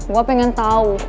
gue pengen tau